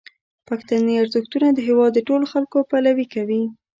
پښتني ارزښتونه د هیواد د ټولو خلکو پلوي کوي.